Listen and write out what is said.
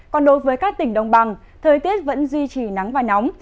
còn đối với các tỉnh đồng bằng thời tiết vẫn duy trì nắng và nóng